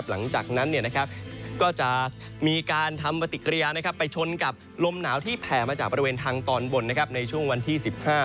หลังจากนั้นก็จะมีการทำปฏิกิริยาไปชนกับลมหนาวที่แผ่มาจากบริเวณทางตอนบนในช่วงวันที่๑๕